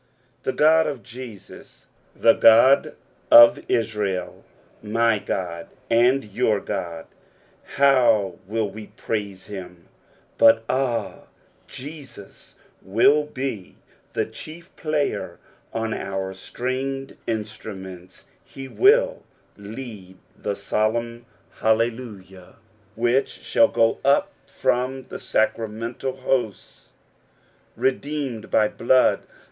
The God of Jesus, the God of Israel, "my Qod ana your God." How will tc« praise him, but, ah I Jesus will be the chief player on our stringed instruments ; he will lend the solemn hallelujah which shall go up from the sacramental host redeemed by blood.